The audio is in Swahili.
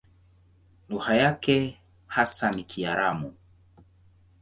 Lugha yake hasa ni Kiaramu.